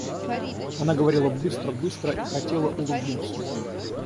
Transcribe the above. Она говорила быстро, быстро и хотела улыбнуться.